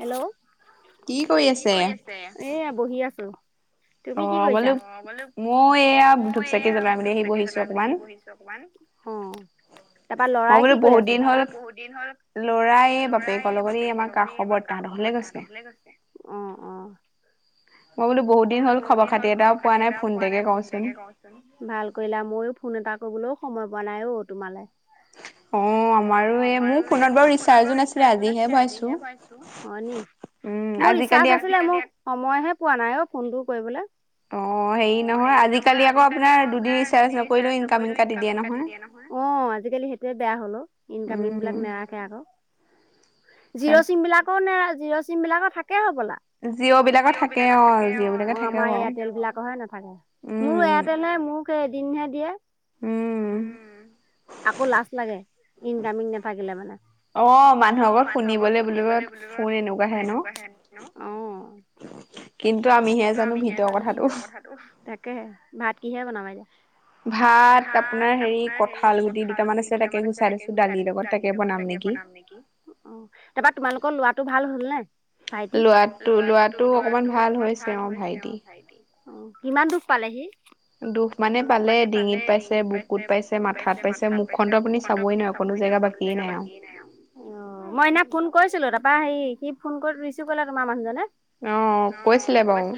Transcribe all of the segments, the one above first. Hello, কি কৰি আছে? এয়া বহি আছো। তুমি কি কৰিছা? অ বোলো, মই এয়া ধূপচাকি জ্বলাই মেলি আহি বহিছো। অ। তাপা লৰাই কি কৰি আছে? মই বোলো বহুত দিন হল, লৰা এ বাপেক লগত এ আমাৰ কাষৰ বৰ্তাহঁতৰ ঘৰলে গৈছে অ', অ'। মই বোলো বহুত দিন হ'ল খবৰ-খাতি এটাও পোৱা নাই ফোন এটাকে কৰোচোন। ভাল কৰিলা ময়ো ফোন এটা কৰিবলৈও সময় পোৱা নাই অ', তোমালৈ। [inaudible] অ, আমাৰো এই মোৰ ফোনত বাৰু ৰিচাৰ্জো নাছিলে আজিহে ভৰাইছো। হয় নি? মোৰ ৰিচাৰ্জ আছিলে, মোক সময়হে পোৱা নাই অ', ফোনটো কৰিবলৈ। অঁ হেৰি নহয় আজিকালি আকৌ আপোনাৰ দুদিন ৰিচাৰ্জ নকৰিলেও ইনকাম কাটি দিয়ে নহ য়। অঁ আজিকালি সেইটোৱে বেয়া হ'ল ঔ, ইনকামিং বিলাক নাৰাখে আক। জিৰ' চিম বিলাকো নে জিৰ' চিম বিলাকো থাকে হ'বলা। জিঅ' বিলাক থাকে অঁ, অঁ আমা এয়াৰটেল বিলাক- কহে নাথাকে, মোৰো এয়াৰটেল হে, মোৰো সেই এদিনহে দিয়ে। উম। আকৌ লাজ লাগে ইনকামিং নাথাকিলে মানে। অ', মানুহৰ আগত শুনিবলে বোলিব ফোন এনেকুৱা হেন ন অ' কিন্তু আমিহে জানো ভিতৰ কথাাতটো। কথাটো, তাকেহে ভাত কিহে বনাবা এতিয়া? ভাত আপোনাৰ হেৰি কঠাল গুটি দুটামান আছে তাকে গুচাই থৈছো দালিৰ লগত তাকে বনাম। অ', তাৰপা তোমালোকৰ ল'ৰাটো ভাল হ'ল নে? ভাইটি, ল'ৰাটো ল'ৰাটো অকমান ভাল হৈছে অ', ভাইটি। অঁ', কিমান দুখ পালে সি? দুখ মানে পালে ডিঙিত পাইছে, বুকুত পাইছে, মাথাত পাইছে, মুখ খনতো আপুনি চাবই নোৱাৰে অকনো জেগা বাকিয়ে নাই আও। অঁ, মই সেইদিনা ফোন কৰিছিলো তাৰপা হেৰি কি ফোন কৰি ৰিচিভ কৰিল তোমাৰ মানুহজনে। অ', কৈছিলে বাৰু।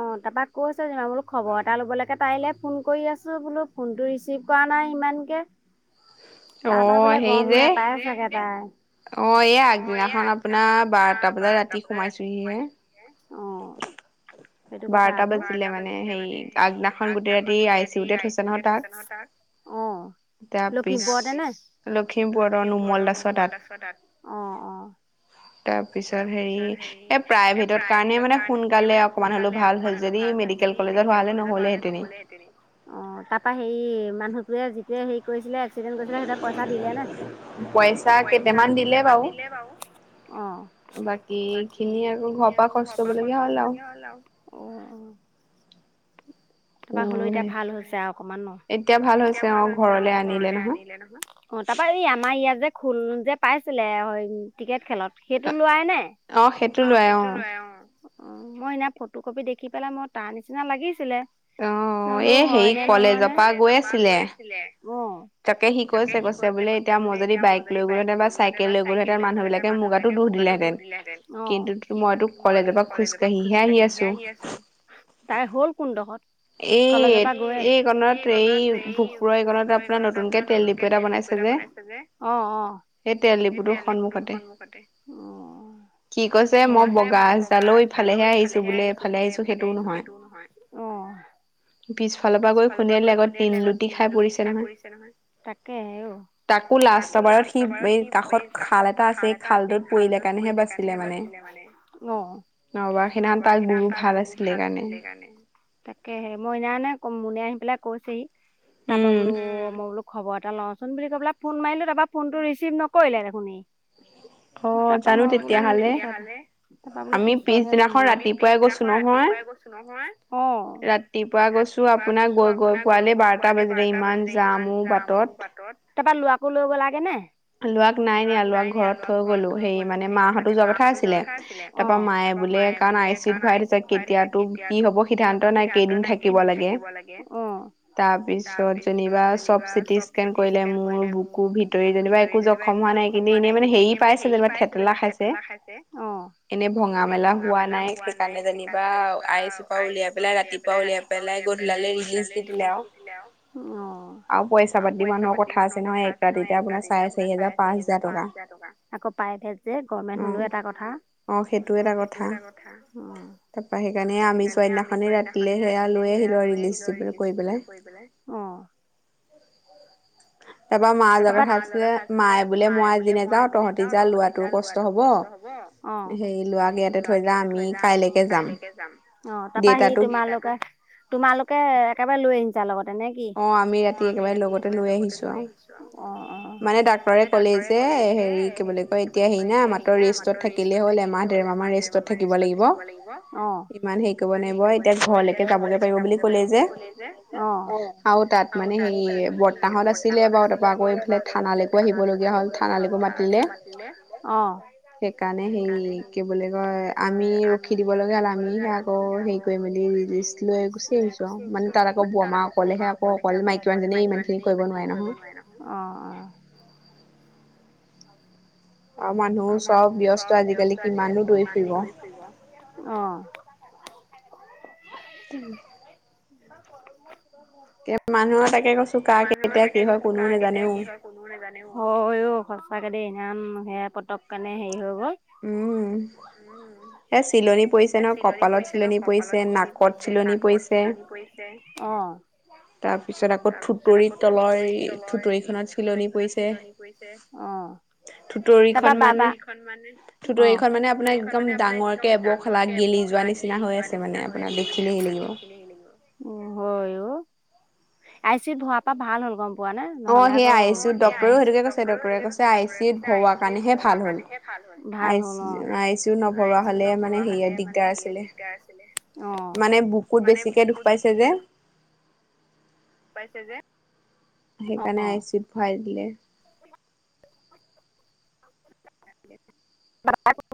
অঁ, তাৰপা কৈছে যেনিবা, মই বোলো খবৰ এটা ল'ব লেকে তাইলে ফোন কৰি আছোঁ। বোলো ফোনটো ৰিচিভ কৰা নাই ইমানকে। [inaudible] তাৰপা বোলে গম নেপাই চাগে তাই। অ', এ আগদিনাখন আপোনাৰ বাৰটা বজাত ৰাতি সোমাইছোহি। বাৰটা বা বাৰতা বাজিলে মানে হেৰি আগদিনা খন গোটেই ৰাতি আই চি ইউটে থৈছে নহয় তাক। অঁ। লখিমপুৰতে নে? লখিমপুৰত অঁ‌, নোমল দাসৰ তাত অঁ অঁ। তাৰ পিছত হেৰি এই প্ৰাইভেটৰ কাৰণে মানে সোন কালে অকমান হ'লেও ভাল হ'ল যদি মেডিকেল কলেজত হোৱা হ'লে নহ'লে হেতিনি, অঁ তাৰ পা হেৰি মানুহটোৱে যিটোয়ে হেৰি কৰিছিলে এ ক্সিদেন কৰিছিলে সেইটোৱে পইছা দিলে নে? পইচা কেইটামান দিলে বাৰু। অঁ। বা বাকি খিনি আৰু ঘৰপা খৰচ কৰিব লগা হ'ল আৰু। অ অঁ তাৰপা হ'লেও এতিয়া ভাল হৈছে আৰু অকমান ন'? এতিয়া ভাল হৈছে অ', ঘৰলে আনিলে নহয়। অ', তাৰপা এই আমাৰ ইয়াত যে খোল যে পাইছিলে হয়, টিকেট খেলত সেইটো ল'ৰাই নে? অঁ, সেইটো ল'ৰাই অঁ‌। অ', অ', মই সেইদিনা ফটো কপি দেখি পেলাই, মই তাৰ নিচিনা লাগিছিলে। মই বোলো হয়নে নহয় নে। কলেজৰ পা গৈ আছিলে, অ', তাকে সি কৈছে, কৈছে বোলে এতিয়া মই যদি বাইক লৈ গলোঁ হেতেন, বা চাইকে লৈ গলোঁ হেতেন, মানুহ বিলাকে মুৰ গাতো দুষ দিলেতেন কিন্তু মইতো কলেজৰ পৰা খোজ কাঢ়ি হে আহি আছো। তাইৰ হ'ল কোনডোখত? কলেজ পা গৈয়ে, এই এইকনত এই ভোকপুৰৰ এইকনত আপোনাৰ নতুনকে তেল ডিপু এটা বনাইছে যে, অ-অ। সেই তেল দিপুতোৰ সন্মুখতে। অ সি কৈছে মই বগা আছ ডালৰও ইফালেহে আহিছো বোলে এইফালে আহিছো সেইটোও নহয়। পিছফালৰ পৰা গৈ খুন্দিয়াই দিলে আকৌ তিন লুটি খাই পৰিছে নহয়। তাকেহে অ তাকো লাষ্ট বাৰত সি এই কাষত খাল এটা আছে এই খালটোত পৰিলে কাৰণেহে বাচিলে মানে। অ। নহবা সেদিনাখন তাৰ গৰু ভাল আছিলে সেইকাৰণে। তাকেহে মই সেইদিনা খনে মোনে আহি পেলাই কৈছেহি তাপা বোলো অ মই বোলো খবৰ এটা লওঁচোন বুলি কই পেলাই ফোন মাৰিলো তাৰপা ফোনটো ৰিচিভ নকৰিলে দেখোন ই। তাপা মই বোলো [unintelligible] তেতিয়াহলে, তাপা বোলো পিছতহে ল'ম বোলো আমি পিছদিনাখন ৰাতিপুৱাই গৈছো নহয়, অ ৰাতিপুৱা গৈছো আপোনাৰ গৈ-গৈ পোৱালে বাৰটা বাজিলে ইমান যাম অ বাটত। তাৰপা ল'ৰকো লৈ গ'লা গে নে? ল'ৰাক নাই নিয়া ল'ৰাক ঘৰত থৈ গ'লো, হেৰি মানে মাহঁতো যোৱা কথা আছিলে। অ তাৰাপাৰ মায়ে বোলে কাৰণ আই চিত ভৰাই দিছে কেতিয়াতো তোৰ কি হ'ব সিদ্ধান্ত নাই কেইদিন থাকিব লাগে। অ তাৰপিছত যেনিবা চব চিটি স্কেন কৰিলে মোৰ বুকু ভিতৰি যেনিবা একো জখম হোৱা নাই কিন্তু এনেই মানে হেৰি পাইছে যেনিবা থেতলা খাইছে। এনে ভঙা মেলা হোৱা নাই, সেইকাৰণে যেনিবা আই চি উ পৰা উলিয়াই পেলাই ৰাতিপুৱা উওলিয়াই পেলাই গধূলিলে ৰিলিজ দি দিলে আৰু। আৰু পইচা পাতি মানুহৰ কথা আছে নহয় এক ৰাতিতে এতিয়া আপোনাৰ চাৰে চাৰি চাৰে চাৰি হাজাৰ পাঁচ হাজাৰ টকা। আকৌ প্ৰাইভেট যে গভমেণ্ট হ'লেও এটা কথা। অ সেইটো এটা কথা তাৰপাৰ সেইকাৰণে আমি দিনাখনি ৰাতিলে সেয়া লৈ আহিলো ৰিলিছ কৰি পেলাই। তাৰপৰা মা যোৱা কথা আছিলে মায়ে বোলে মই আজি নাযাওঁ তহঁতি যা লোৱাটো কষ্ট হ'ব। অ হেৰি ল'ৰাটো ইয়াতে থৈ যা আমি কাইলৈকে যাম। অ তাৰপা সি তোমালোকে তোমালোকে একেবাৰে লৈ আনিছা লগতে নে কি? অ আমি ৰাতি একেবাৰে লগতে লৈ আহিছো। অ অ অ। মানে ডাক্তৰে ক'লে যে হেৰি কি বুলি কয় এতিয়া হেৰি নাই মাএ ৰেষ্টত থাকিলে হ'ল এমাহ মাহ দেৰ মাহ মান ৰেষ্টত থাকিব লাগিব, অ। ইমান হেৰি কৰিব না এতিয়া ঘৰলৈকে যাবগৈ পাৰিব বুলি ক'লেই যে যে অ। আৰু তাত মানে সেই বৰতাহঁত আছে তাৰপা আকৌ এফালে থানালৈকো আহিব লগীয়া হ'ল থানালৈকে মাতিলে। অ। সেইকাৰণে হে কি বুলি কয় আমি ৰখি দিব লগা হ'ল আমিহে আকৌ হেৰি কৰি মেলি লৈ গুচি আহিছো আৰু মানে তাত আকৌ বৰমা অকলেহে আকৌ অকলে মাইকী মানুহজনীয়ে ইমান খিনি কৰিব নোৱাৰে নহয়। অ অ। অ মানুহবোৰ চব ব্যস্ত আজিকালি কিমানো দৌৰি ফুৰিব। অ। [inaudible] [unintelligible] মানুহৰ তাকে কৈছো কাৰ কেতিয়া কি হয় কোনোও নাজানেও। কোনো নাজানেও, হয়ও সঁচাকে দেই ইমান সেয়া পতকেনে হেৰি হৈ গ'ল। উম। উম। এই চিলনি পৰিছে নহয় কপালত, চিলনি পৰিছে নাকত, চিলনি পৰিছে অ। তাৰপিছত আকৌ থুঁতৰি তলৰ এ থুঁতৰিখনত চিলনি পৰিছে। পৰিছে। [inaudible] তাৰপা বাবা থুঁতৰিখন মানে অ', থুঁতৰিখন মানে আপোনাৰ একদম ডাঙৰ ডাঙৰকে এবখলা এৰি যোৱা নিচিনা হৈ আছে মানে আপোনাৰ দেখি। উম হয় অ', আই চি উট ভৰাব পৰা ভাল হ'ল গম পোৱা নে নহ'লে আক সি, আই চি উট ডক্টৰেও সেইটোৱে কৈছে ডক্টৰে কৈছে আই চি উট ভৰোৱা কাৰণেহে ভাল হ'ল, ভাল হ'ল অ', আই চি উট নভৰোৱা হ'লে মানে হেৰি দিগদাৰ আছিলে। মানে বুকুত বেছিকে দুখ পাইছে যে। পাইছে যে। সেইকাৰণে আই চি উট ভৰাই দিলে। [inaudible] ন [unintelligible]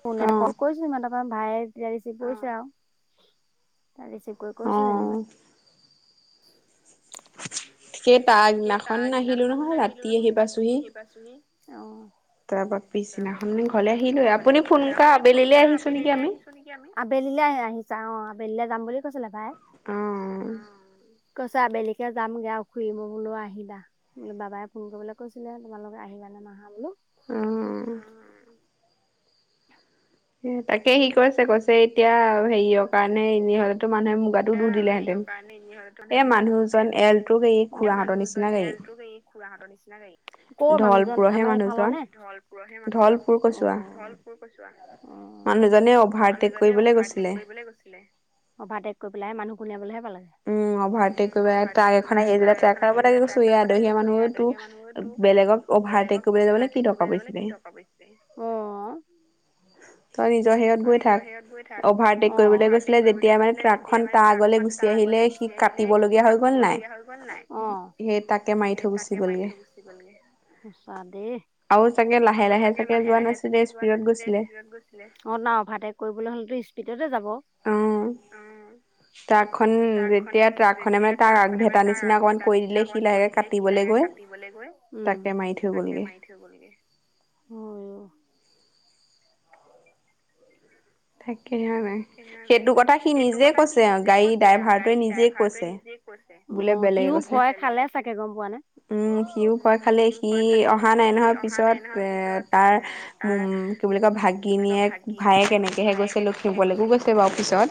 ফোন এটা কৰ ফোন কৰিছিলো তাৰপৰা বাইয়ে তেতিয়া ৰিচিভ কৰিছে আৰু, ৰিচিভ কৰি কৰিছে যেনিবা। [inaudible] সেই তাৰ আগদিনাখন নাহিলো নহয় ৰাতি আহি পাইছোহি। তাৰপৰা পিছদিনাখন ঘৰলে আহিলোয়ে আপুনি ফোন কৰা আবেলিলৈ আহিছো নেকি আমি? আবেলিলৈ আহিছা অ', আবেলিলৈ যাম বুলি কৈছিলে বাইয়ে। কৈছে আবেলিকে যামগে আৰু খুৰি মোক বোলো আহিবা, বোলো বাবাই ফোন কৰিবলৈ কৈছিলে তোমালোকে আহিবা নে নাহা বোলো। অ', - অ'। তাকে সি কৈছে -কৈছ হে হেৰিয়ৰ কাৰণে এনে মানুহে মোগাটো দূষ দিলেহেঁতেন। নিনিয় হত। মানে মোগাটো দূষ দিলেহেতে, মানুহজন এলতটো হেৰী খুৰাহঁতৰ নিচিনা হেৰী। ক মানুহজন আমাৰ এইফালৰ নে? ধলপুৰ হে মানুহজন ধলপুৰ কচুৱা। মানুহজনে অভাৰটেক কৰিবলৈ গৈছিলে। ভাৰটেক কৰি পেলাই মানুহ খুন্দিয়াবলৈ হে পালে। উম, অভাৰটেক কৰিবে ট্ৰাক এখনে আহিলে আগতিয়া কৈছো আলহি মানুহোটো, বেলেগক - অভাৰটেক কৰিবলৈ যাবলে কি দৰকাৰ পিছিলে। অ। তই নিজৰ হিৰিয়াত গৈ থাক, অ', অভাৰটেক কৰিবলৈ গৈছিলে যেতিয়া মানে ট্ৰাক খন তাৰ আগলে - গুচি আহিলে সি কাটিব লগীয়া হৈ গ'ল নাই, হে তাকে মাৰি থৈ গুচি গ'লগে। সচাদে। আৰু চাগে লাহে -লাহে চাগে যোৱা নাছিলে স্পীডত গৈছিলে। অ', না অভাটেক কৰিবলৈ হলেতো স্পীডতে যাব। অঁ। ট্ৰাকখন যেতিয়া ট্ৰাকখনে মানে তাৰ আগ ভেটা নিচিনা অকণমান কৰি দিলে সি লাহেকে গৈ - দিবলৈ গৈ তাকে মাৰি থৈ গলগে। সেইটো কথা সি নিজে কৈছে আৰু গাড়ী ড্ৰাইভাৰটোৱে নিজে কৈছে। অ', সিও ভয় খালে চাগে গম পোৱা নাই। উম সিও ভয় খালে সি অহা নাই নহয় পিছত এ তাৰ - উম কি বুলি কয় ভাগিনীয়েক ভায়েক কেনেকে - গৈছেলো বেলেগো গৈছে বা পিছত।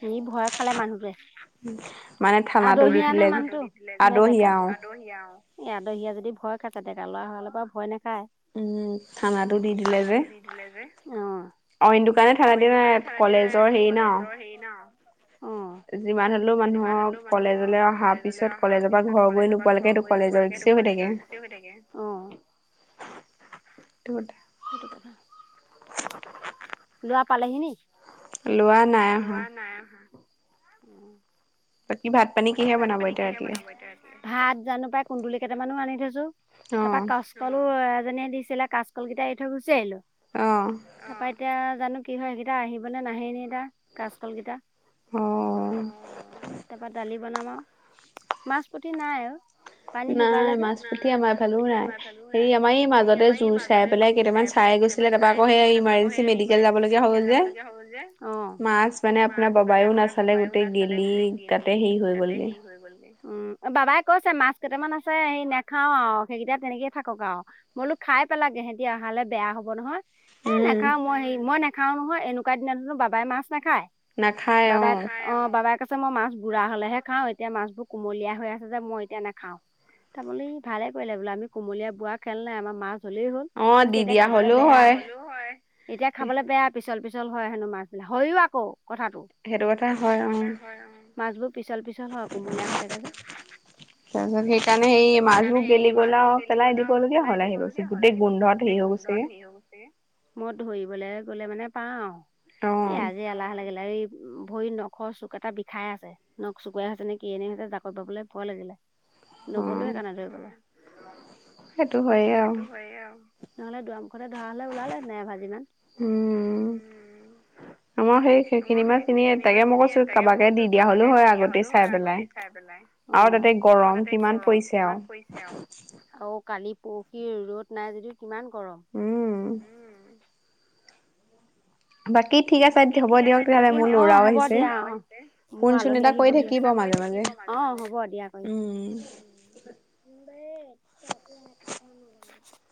সি ভয় খালে মানুহ টোৱে। আদহীয়া নে মানুটো নে ডেকা? আদহীয়া অঁ'। এ' আদহীয়ে যদি ভয় খাইছে ডেকা ল'ৰা হলে বা ভয় নাখায়। উম, খানাটো দি দিলে যে। অঁ',। ঐ দোকান থানা [unintelligible] কলেজৰ হেৰি ন'। হেৰী ন? অঁ'। যিমান হ'লেও মানুহৰ কলেজলৈ অহা পিছত কলেজৰ পৰা ঘৰ গৈ নোপোৱালৈকেটো কলেজৰ - বেছি থাকে। অঁ',। [unintelligible] সেইটো কথা। ল'ৰা পালেহি নি? ল'ৰা নাই আহা। নাই আহা। [unintelligible] বাকী ভাত পানী কিহে বনাব ৰাতিলে? ভাত জানো পাই কুন্দুলি কেইটামানো আনি থৈছো, তাপা কাচকলো এজনীয়ে দিছিলে কাচ - কল কেইটা এৰি থৈ গুচি আহিলো। অঁ'। অঁহ', এতিয়া জানো কি হয় সেইকেইটা আহিব নে নামেৰেই এতিয়া কাচ কল কেইটা। তাপা দালি বনাবা আও। মাছ পুঠি নাই? পানী শুকালে যে। নাই, মাছ পুঠি আমাৰ ফালেও নাই, এই আমাৰ এই মাজতে জুৰ চাই- পাই কেইটামান চাইয়ে গৈছিলে, তাৰপা আকৌ ইমাৰ্জেঞ্চি মেডিকেল যাব লগা হ'ব যে। মানে আপোনাৰ বাবায়ো নাচালে গোটেই গেলি তা'তে হেৰি হৈ গ'ল গে। উমঁ, বাবাই কৈছে মাছ কেইটামান আছে সেই নাখাও আৰু সেইকেইটা তেনেকেই থাকক আৰু। মই কলো খাই পেলা হেতি অহালে বেয়া হ'ব নহয়। এ' নাখাও, মই হেৰী মই নাখাও নহয়, এনেকুৱা দিনতনো বাবাই মাছ নাখায়। বাবাই, অঁ' বাবাই কৈছে মই মাছ- বুঢ়া হ'লেহে খাওঁ, এতিয়া মাছবোৰ কোমলীয়া হৈ আছে যে মই এতিয়া নাখাওঁ। তাৰমানে ভালে কৰিলে বোলে, আমি কোমলীয়া বুঢ়া কেলে নাই আমাৰ মাছ- হ'লেই হ'ল, কৈছে এতিয়া খাবলৈ বেয়া হ'লে হয়। এতিয়া খাবলৈ বেয়া পিছল-পিছল হয় হেনো মাছবিলাক, হয়ও আকৌ কথাটো। সেইটো কথা হয়, অঁ',। মাছবোৰ পিছল-পিছল হয় কুমলীয়া হৈ থাকে যে। তাৰপা সেইকাৰণে সেই মাজ গেলি গ'ল চলাই দিব লগীয়া হ'ল সেই গোটেইখিনি পেলাই দিব লগীয়া হ'ল। ত সেই [unintelligible] গৈছিলে। মই ধৰিবলৈ গ'লে মানে পাওঁ, এ আজি এলাহ লাগিলে এই- ভৰি নখৰ চুক এটা বিষাই আছে। নখ চুকুৱাই হৈছে নে কিয়ে হৈছে নে জাকৈ বাবলৈ ভয় লাগিলে। নগলোয়ে সেইকাৰণে মাছ ধৰিবলে। সেইটো হয়ে আৰু। নহ'লে দুৱাৰ মুখতে ধৰা হ'লে ওলালে সেনেকে এভাজি মান। আমাৰো সেই- আমাৰ সেই সেইখিনি মাছখিনি এ তাকে মই কৈছো কাৰোবাকে দি দিয়া হ'লো হয় আগতেই চাই পেলাই। আৰু তা'তে গৰম কিমান পৰিছে আৰু। অ' কালি, পৰহি ৰ'দ নাই যদি কিমান গৰম। উম। বাকী অ হ'ব দিয়া মোৰ আলহী আহিবহি আছে। অ হ'ব দিয়া কৰিম। সোমবাই।